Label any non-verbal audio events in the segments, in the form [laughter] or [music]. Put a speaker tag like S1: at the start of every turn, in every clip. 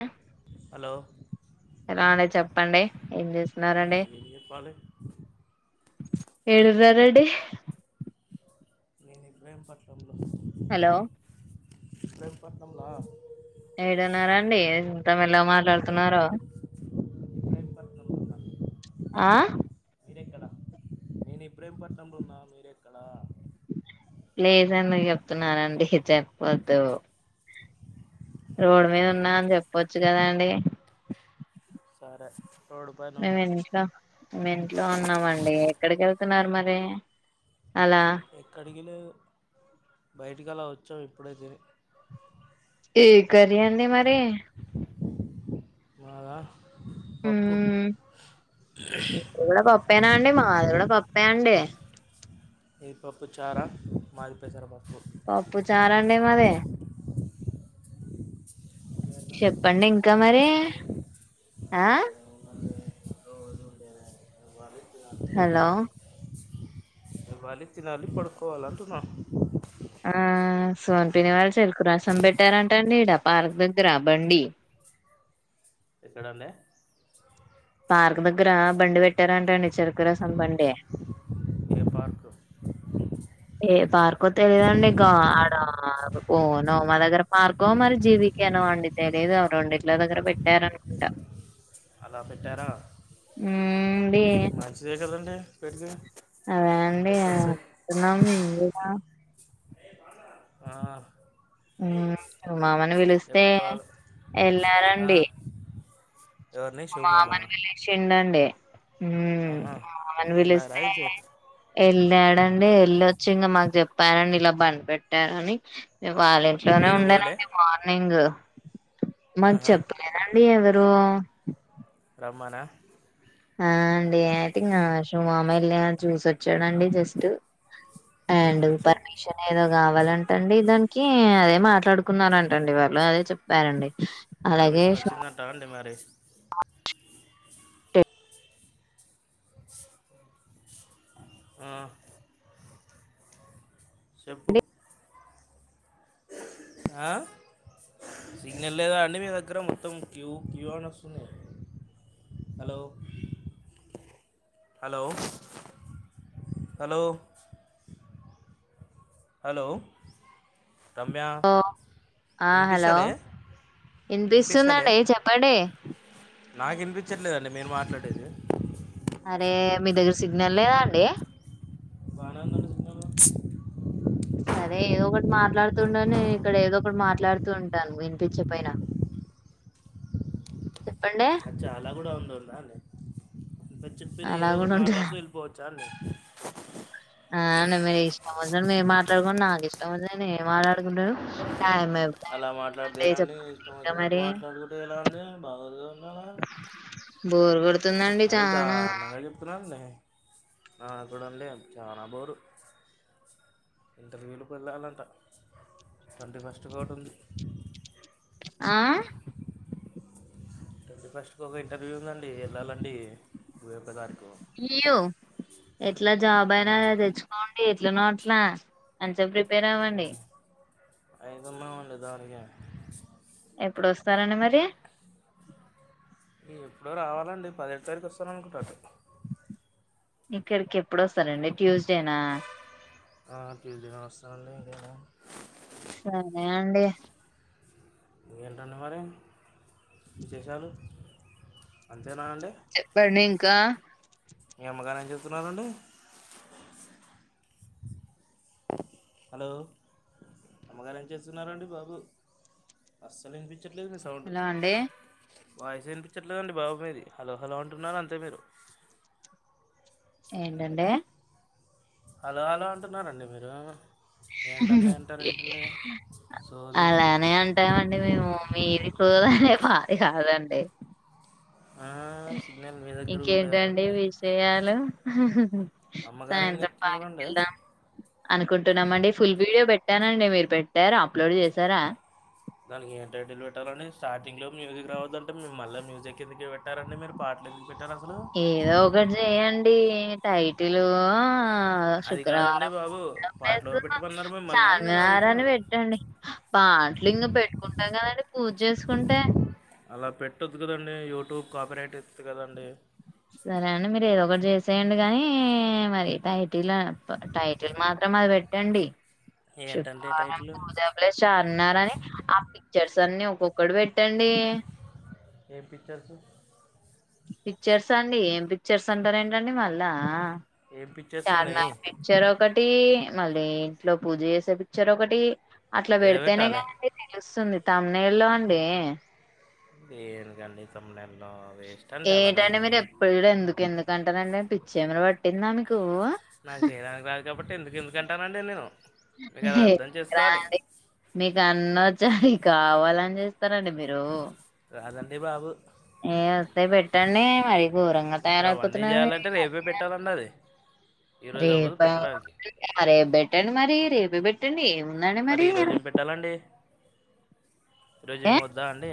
S1: ఆ
S2: hello
S1: hello అండి చెప్పండి ఏం చేస్తున్నరండి
S2: ఏం చెప్పాలి
S1: ఏడుస్తారేంటి
S2: నేను ఇబ్రహంపట్నంలో
S1: హలో
S2: ఇబ్రహంపట్నంలా
S1: ఏడున్నారాండి ఇంత మెల్లగ మాట్లాడుతున్నారో
S2: ఇబ్రాహీంపట్నంలో ఉన్నా
S1: ఆ
S2: మీరెక్కడ నేను ఇబ్రహం పట్నంలో ఉన్నా మీరెక్కడా
S1: లేదని చెప్తున్నానండి ఇగ చెప్పద్దు రోడ్ మీద
S2: అయ్యో
S1: ఉన్నా అని చెప్పొచ్చు కద అండి
S2: సరే రోడ్డు పైన
S1: మేము
S2: ఉన్నా
S1: ఇంట్లో మేమ్ ఇంట్లో ఉన్నామండి ఎక్కడికి ఎళ్తున్నారు మరి అలా
S2: ఎక్కడికి లేదు బయటికి అలా వచ్చాం ఇప్పుడే తిని
S1: ఏ కర్రీ అండి మరి
S2: మాద
S1: మ్మ్ మీది కూడా పప్పేన అండి మాది గూడ పప్పే అండి
S2: మీది పప్పు చారా మాది పెసర పప్పు
S1: పప్పు చారండి మాది చెప్పండి ఇంకా మరి ఆ
S2: రోజు ఉండేదే ఇవ్వాలి తినాలి
S1: హలో
S2: లెవ్వాలి తినాలి పడుకోవాలి అంటున్న
S1: ఆ సోన్పిన్ వాళ్లు చెరుకు రసం పెట్టారంటండి ఇడ పార్క్ దగ్గర బండి
S2: ఎక్కడండి
S1: పార్క్ దగ్గర బండి పెట్టారంటండి చెరుకురసం బండి
S2: ఏ పార్క్
S1: ఏ పార్కో తెలిదండి గాడ పార్కు నోమా దగ్గర పార్కో మరి జీవికేనో అండీ తెలీదు రొండిట్లో దగ్గర పెట్టారను అండ
S2: అలా పెట్టారా
S1: అండి
S2: మంచిదే కదండి పెడితే
S1: అదే అండి
S2: లైసెన్స్
S1: అనుకుంటున్నం మేం కూడా
S2: ఆ
S1: ఊ మామని పిలిస్తే
S2: చెప్పాలి ఆ,
S1: వెళ్ళారండి
S2: ఎవరిని
S1: మా
S2: శివమామనా
S1: మామని బిలిషిండండి
S2: ఆహా ఎలార అయితే
S1: ఎళ్ళాడండి ఎళ్ళొచ్చి ఇంకా మాకు చెప్ చెప్పరండి ఇలా బం పెట్టారని వాళ్ళ ఇంట్లోనే
S2: మీరు పోలే
S1: ఉండేనండి మార్నింగ్ మాక్
S2: ఆహా
S1: చెప్పలేదండి ఎవరు
S2: రమ్మన
S1: ఆ అండి అయితే ఇంగ షు మామ వెళ్ళి చూసొచ్చాడండి జస్టు ఆండ్
S2: చూసొచ్చి
S1: పెర్మిషన్ ఏదో కా కావాలంటండి దానికి అదే మాట్లాడుకున్నారంటండి వాళ్లు అదే చెప్పారండి అలాగే
S2: పర్మిషన్ వచ్చిందంటా అండి మరి ఆ చెపు ఆ సిగ్నెల్ లేదా అండి మీ దగ్గర మొత్తం క్యూ క్యూ అని వస్తుంది hello hello hello hello Ramya
S1: ఓ ఆ హలో
S2: వినిపిస్తలే వినిపిస్తలే
S1: ఇనిపిస్తుందండి చెప్పండి
S2: నాకు వినిపించట్లేదండి మీరు మాట్లాడేది
S1: అరే మీ దగ్గర సిగ్నల్ లేదా అండి
S2: బానే ఉందండి సిగ్నలు
S1: సరే ఏదో ఒకటి మాట్లాడుతు ఉండుండి నేను ఇక్కడ ఏదో ఒకటి మాట్లాడుతూ ఉంటాను వినిపించకపెన చెప్పండి
S2: అచ్చా అలా కూడా ఉండుందా అండీ ఎంత చెప్పిన
S1: అలా
S2: ఏదో
S1: గూడా
S2: ఒకటి
S1: ఉంటదా?
S2: మాట్లాడుతూ వెళ్ళిపోవచ్చా అండి
S1: ఆ నే మీర్ ఇష్టం వచ్చనట్టు మీరు మాట్లాడుకోండి నాకు ఇష్టం వచ్చనట్టు నే మాట్లాడుకుంటను
S2: అలా మాట్లాడితే ఎలాండి ఇష్టం
S1: ఇంకా
S2: వచ్చినట్టు
S1: మరి.
S2: మాట్లాడుకుంటే ఎలాండి బాగోదగా అండీ అలా
S1: బోరు కొడుతుందండి చానా
S2: నా కూడా అండి చానా బోరు ఇంటర్వులకు వెళ్ళాలంట ట్వంటీ ఫస్ట్ కు ఓటి ఉంది
S1: ఆ
S2: ట్వంటీ ఫస్ట్ కు ఒక ఇంటర్వ్యూ ఉందండి వెళ్ళాలండి ఇరవై ఒక్క తారీఖు
S1: ఇయ్యు ఎట్లా జాబ్ అయినా తెచ్చుకోండి ఎట్లనో అట్లా అ సొ ప్రిపేర్ అవ్వండి
S2: ఐదున్నమండి దానికే
S1: ఎప్పుడోస్తారండి మరి
S2: ఎప్పుడో రావాలండి పదిహేడు తారీఖు వస్తాను అనుకుంటటి
S1: ఇక్కడికి ఎప్పుడొస్తారండి ట్యూస్డేనా
S2: ఆ ట్యూస్డేనే వస్తానండి ఇంకా ఇడే ఉన్నా
S1: సరే అండి
S2: ఏంటండీ మరి విశేషాలు అం
S1: చెప్పండి ఇంకా
S2: మీ అమ్మగారు ఏం చేత్తున్నారండి హలో అమ్మగారు ఏం చేస్తున్నారండి బాబు అస్సలు విని పిచట్లేదు మీ సౌండ్
S1: హలో అండి.
S2: వాయిసే ఈనిపించట్లేదండి బాబు మీది హలో హలో అంటున్నారు అంతే మీరు
S1: ఏంటండే
S2: హలో హలో అంటున్నారండి మీరు ఏంటండి అంటారు ఏంటండి సోది
S1: అలానే అంటామండి మేము మీ రోహే పాది కాదండి
S2: ఆ సిగ్నల్ మీ దగ్గర కూడా లేదా
S1: ఇంకేంటండి
S2: అండి
S1: విషయాలు
S2: అమ్మగారు ఏం
S1: సాయంత్రం పార్క్
S2: చెప్తున్నారండి
S1: కేళ్దాం అనుకుంటున్నామండి ఫుల్ వీడియో పెట్టానండి మీరు పెట్టారా అప్లోడ్ చేశారా
S2: దానికి ఏం టైటిల్ పెట్టాలండి స్టార్టింగ్ లో మ్యూజిక్ రావద్దంటే మేము మళ్ళా మ్యూజిక్ ఎందుకి పెట్టారంండి మీరు పాట్లో
S1: ఏదో ఒకటి చేయండి టైటిలూ ఆ
S2: అది కాదండి
S1: శుక్రవారము
S2: బాబు
S1: నో యాజ్
S2: పాటలు
S1: యు
S2: ఎవరు
S1: నో
S2: పెట్టమన్నారు మిమ్మల్ని అని నేను
S1: చామినారాన్ని
S2: అడుగుతున్నాను
S1: పెట్టండి పాట్లు ఇంక పెట్టుకుంటాం కద డి పూజేసుకుంటే
S2: అలా పెట్టొద్దు కదండి యూట్యూబ్ కాపిరైట్ ఎత్తది కదండి
S1: సరే అండి మీరు ఏదో ఒకటి చేసేయండి కానీ మరి టైటిల టైటిల్ మాత్రం అదే పెట్టండి
S2: ఏంటంటే
S1: శుక్రవారం
S2: టైటిల్
S1: పూజ ప్లేస్ చార్మినార్ అని ఆ పిక్చర్స్ అన్ని ఒక్కొక్కటి పె ట్టండి
S2: ఏం పిచ్చర్సు
S1: పిక్చర్స్ అండి ఏం పిక్చర్స్ అంటారేంటండి మళ్ళా
S2: ఏం పిక్చర్స్ ఉన్నాయి
S1: చార్మినార్ పిక్చర్ ఒకటి మళ్ళీ ఇంట్లో పూజచేసే పిక్చర్ ఒకటి అట్లా పెడితేనే
S2: ఎడబెట్టాలి
S1: కాదండి తెలు సుంది తమ్నైలో అండి
S2: దేనికండి తమ్నైలో
S1: ఏటండి మీరు ఎప్పుడు చూడు ఎందుకు ఎందుకు అంటారండి పిచ్చేమన్న ప
S2: నాకు చేయడానికి రాదు కాబట్టి ఎందుకు ఎందుకు అంటానండి నేను మీకు అది అర్థం
S1: ఎందుకు
S2: చేసుకోవాలి
S1: రాదండి మీకు అన్నో చ్చయి కావాలని చేస్తారండి మీరు
S2: అదండి బాబు
S1: ఏ వస్తె పెట్టండి మరి ఘోరంగా
S2: ఇప్పుడు అవన్నీ
S1: తయారైపోతున్నారు మీరు ఈ
S2: చేయాలంటే రేపే
S1: మధ్యన
S2: పెట్టాలండి అది ఈరోజు అవ్వదు
S1: రేప
S2: పెట్టడానికి
S1: రేపు పెట్టండి మరి రేపే పెట్టండి ఎం
S2: మరి ఈరోజేం పెట్టాలండి
S1: ఏ
S2: ఈరోజేం వద్దా అండి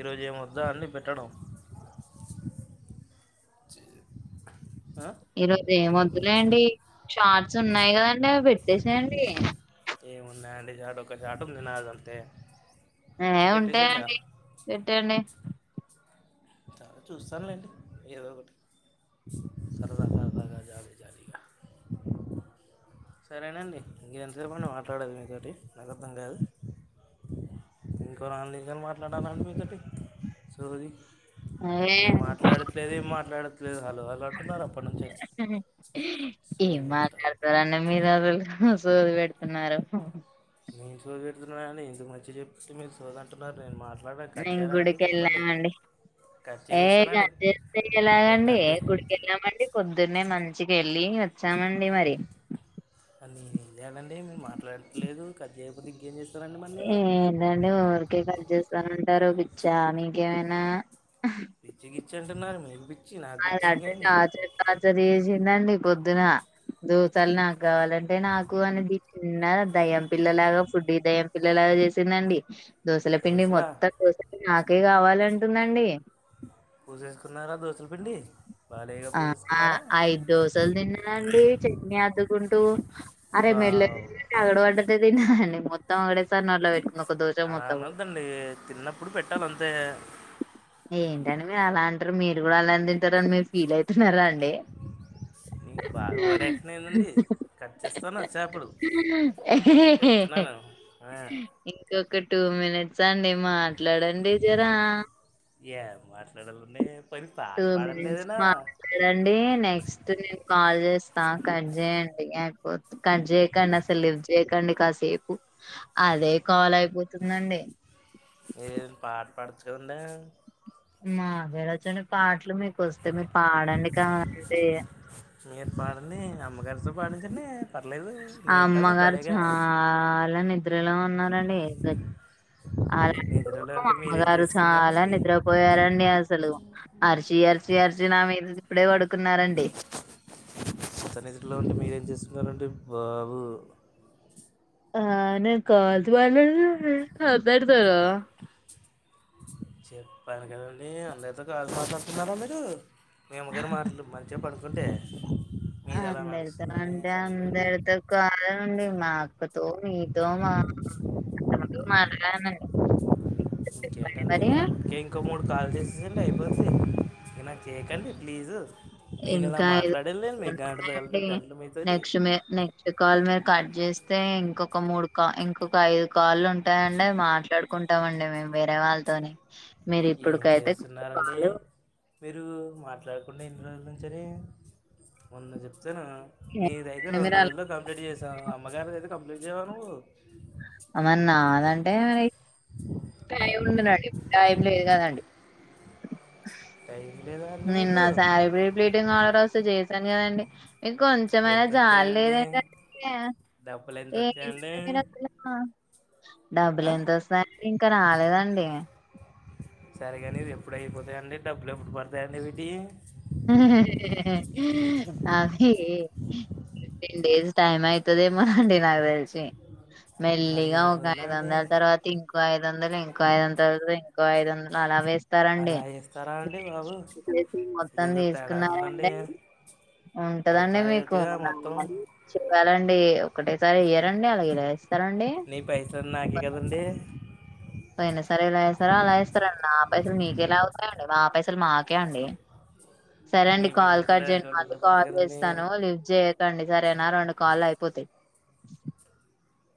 S2: ఈరోజు ఏం వద్దా అండి పెట్టడం ఆ?
S1: ఈరోజు ఏం వదులేండి షార్ట్స్ ఉన్నాయి కదండి అవి పెట్టేసేయండి
S2: ఏమున్నాయంండి షాట్ ఒక షాట్ ఉంది నాదంతే
S1: నావేవుంటే అవి పెట్టేయండి
S2: చాలా చూస్తానులేండి ఏదో ఒకటి సర్దా సర్ధాగా జాలీ జాలీగా సరేనండి ఇంకెంత సేపండి మాట్లాడేది మీతోటి నాకర్థం కాదు. ఇంకో నల్నిమిషాల మాట్లాడాల అండి మీతోటి సోది
S1: ఏ
S2: మీరు మాట్లాడట్లేదు ఏం మాట్లాడ
S1: ఏం
S2: సోది ముచ్చట
S1: మాట్లాడుతార అన్న మీరు అసలు సోది పేడుతున్నారు
S2: నేను సోది పెడుతున్నానండి ఇంత మంచిగ చెప్తే మీరు సోద అంటున్నారు నేను మాట్లా
S1: నేం గుడికి వెళ్ళామండి
S2: కట్
S1: ఏ
S2: చేసేస్తానండి
S1: గద్చేస్తే ఎలాగండి ఏ
S2: వద్దంటే
S1: గుడికి వెళ్లామండి పొద్దునే మంచి ఇచ్చకెళ్ళి వచ్చామండి మరి
S2: మరేం చేయాలండీ మీరు మాట్లాడట్లేదు కట్ చేయకపోతే ఇంకేం చేస్త
S1: ఏ ఏంటండి ఊరికే కట్ చేస్తానంటారు పిచ్చా మీకేమైనా
S2: పిచ్చి గిచ్చంటన్నారు మీ
S1: ఆయన అడ్డ టార్చ్ టార్చ్ చేసిండాన్డి పొద్దున దోసలు నాకు కావాలంటే నాకు అనేది చిన్న దయ్యం పిల్లలాగా ఫుడ్ దయ్యం పిల్లలాగా చేసిందండి దోసల పిండి
S2: దోశలా
S1: మొత్తం దోస నాకే కావాలంటుందండి
S2: పూసేసుకున్నారా దోసేల పిండి బాలేగా
S1: ఆ ఆ
S2: పూసేసుకున్నారా
S1: ఐద్ దోసలు తిన్నదన్డి చట్నీ అద్కుంటూ అరే
S2: బా
S1: మెళ్ళ అగడు వడ్డట్టు తిన్నవేంది మొత్తం ఒక్కటే సారీ నోట్లో పెట్టుకొన్
S2: అలా అనోద్దండి తిన్నప్పుడు పెట్టాలి అంతే
S1: ఏంటండి మీరు అలా అంటారు మీరు కూడా అలా తింటారు అని, మీరు ఫీల్ అవుతున్నారా అండి.
S2: బాగా ఓవరక్షణ్ అయిందండి కట్ చేస్తాను వచ్చాప్పుడు చెప్తున్నాను.
S1: ఇంకొక టూ మినిట్స్ అండి మాట్లాడండి జరా
S2: ఏం మాట్లాడాలని పని పాట పాడండి ఏదైనా
S1: చదండి నెక్స్ట్ నే కాల్ చేస్త ఆ కట్ చేయండి అయిపో కట్ చేయకండి అసలు లిఫ్ చేయకండి కాసేపు అ అదే కాల్ అయిపోతుందండి
S2: మీరేైనా పాట్ పాడచ్చు కదండీ
S1: మాక్ ఏడచ్చు అండి పాటలు మీకు వస్తే మీరు పాడండి కా అంటే
S2: మీరు పాడండి అమ్మగారితో పాడించండి పర్లేదు నేను వింటాను
S1: అమ్మగారు
S2: భలేగా
S1: చాలా నిద్రలో ఉన్నారండి ఏ అలాంటి
S2: నిద్రలో ఉంటే మీరేం
S1: అమ్మగారు చాలా
S2: చేస్తున్నారండి
S1: నిద్రపోయారండి అసలు అరిచి అరిచి అరిచి నా మీద ఇప్పుడే పడుకున్నారండి
S2: ఇంట్లో ఉండి మీర ఏం చేస్తున్నారండి బాబు
S1: ఆ నేను కాల్జేయలే నేను నీకు కొబ్బరి
S2: చెప్పన్ కదండి అందరితో కాల్ మాట్లాడుతున్నారా మీరు మీ అమ్మగారి మాట్లు మంచిగా పడుకుంటే మీది ఎలా
S1: అందరితో
S2: నడుస్తుందండి
S1: అంటే
S2: సరేలేండి
S1: అందరితో కదండి మా అక్కతో మీదో మా మాట్లన్న
S2: [unintelligible] మూడు కాల్ చేసేసండి అయిపోతే ఈల చేయకండి ప్లీజు నేను ఇలా
S1: ఇంకా
S2: మాట్లాడలేను మీ గంట
S1: ఐదున్నాయండి
S2: తగలటరు గంటలు మీతోటి
S1: నెక్స్ట్ మీ నెక్స్ట్ కాల్ మీరు కట్ చేస్తే ఇంకొక ఒక మూడు కా ఇంకొక ఐదు కాళ్ళు ఉంటాయండి అ మాట్లాడుకుంటాం అండి మేము వేరే వాళ్ళతోని. మీరు
S2: ఏం
S1: ఇప్పుటికైతే
S2: చేస్తున్నారంటడి
S1: కాలు
S2: మీరు మాట్లాడుకుంట పన్నహను రోజుల నుంచిరే వంద చెప్ సే నీద అయితే
S1: చేయండి.
S2: రెండు
S1: మీరు అలా
S2: రోజుల్లో కంప్లీట్ చేసావు అమ్మగారిద అయితే కంప్లీట్ చేయవా నువ్వు
S1: టై ఉందినండిప్పు టై లేదు కదండి
S2: టైమ్
S1: నిన్న సారీ ప ప్లేటింగ్ వాళ ర వస్తే చేసాను కదండి ఇ కొంచమైనా
S2: ఎంత
S1: చాల
S2: వచ్చాయండి
S1: లేదండి
S2: డబ్బులు ఎంత
S1: ఏ
S2: వచ్చాయండి
S1: [unintelligible] డబ్బులు
S2: ఆ?
S1: ఎంత వస్తుయి ఇంకా రాలేదండి
S2: సరేగాని ఇవి ఎప్పుడు అయిపోతాయండి డబ్బులు ఎప్పుడు పడతాయండి వీటి
S1: అది ఫిఫ్టీన్ డేస్ టైమ్ అవుతుద ఏమోనండి నాకు తెలిసి మెల్లిగా
S2: పదిహేను
S1: ఒక
S2: రోజులా
S1: యిదు
S2: అండి
S1: వందల తర్వాత ఇంకో ఐదు వందలు ఇం ఇంకా ఐదు వంద తరువాత ఇంకో ఐదు వందలు అలా వేస్తారండి
S2: అలా వేస్తారా అండి బాబు
S1: మత్తం
S2: ఇదేదో తేడాగా ఉందండి
S1: తీసుకున్నడి ఉంటదండి
S2: ఒకసారి
S1: మీకు
S2: వచ్చగా
S1: నా
S2: మొత్తం
S1: వెళ్ళండి ఒకటేసారి ఇయ్యరండి అలాగే లే
S2: నీ పైసలున్న నాకే కదండి
S1: పోయినా సరే ఇలా వేస్తారో అలా వేస్తారండి నా పైసలు మీకేలా అవుతాయండి మా పైసలు మాకే అండి [inaudible] [unintelligible] సరే అండి
S2: మీ
S1: కాల్
S2: పైసలు కూడా
S1: కట్జెంట్ మళ్ళీ
S2: అకౌంట్లో పడతాయి
S1: కాల్
S2: కదండి
S1: చేస్తాను లిఫ్ట్ చేయకండి సరేనా రెండు కాల్ అయిపోతాంది [unintelligible] [inaudible]